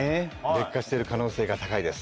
劣化してる可能性が高いです。